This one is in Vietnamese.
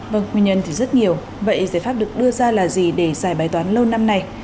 vâng nguyên nhân thì rất nhiều vậy giải pháp được đưa ra là gì để giải bài toán lâu năm này